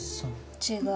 違う。